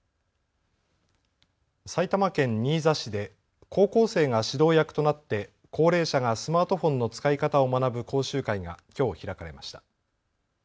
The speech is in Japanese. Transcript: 埼玉県新座市で高校生が指導役となって高齢者がスマートフォンの使い方を学ぶ講習会がきょう開かれました。